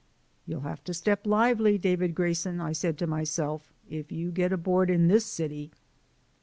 "You'll have to step lively, David Grayson," I said to myself, "if you get aboard in this city."